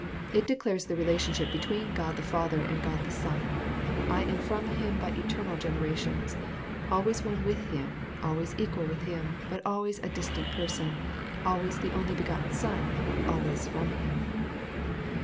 It declares the relationship between God the Father and God the Son. "I am from Him by eternal generations, — always one with Him, — always equal with Him,— but always a distinct person;— always the only begotten Son, — always ftom Him.